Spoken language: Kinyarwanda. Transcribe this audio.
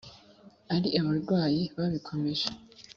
ari abarwanyi babikomeje